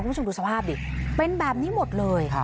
คุณผู้ชมดูสภาพดิเป็นแบบนี้หมดเลย